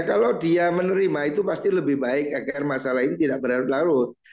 kalau dia menerima itu pasti lebih baik agar masalah ini tidak berlarut larut